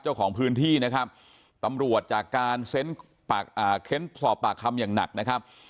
เจ้าของพื้นที่นะครับตำรวจจากการเค้นสอบปากคำอย่างหนักนะครับ